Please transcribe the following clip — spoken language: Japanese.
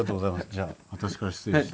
じゃあ私から失礼して。